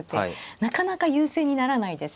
なかなか優勢にならないです。